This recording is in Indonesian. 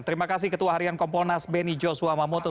terima kasih ketua harian komponas benny joshua mamoto